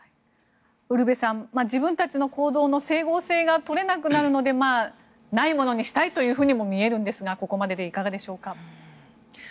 ウルヴェさん自分たちの行動の整合性が取れなくなるのでないものにしたいというふうにも見えるんですがここまででいかがでしょうか。